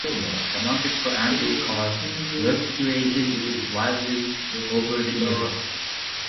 The market for antique cars fluctuates wildly over the years.